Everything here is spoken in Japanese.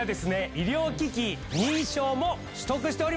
医療機器認証も取得しております。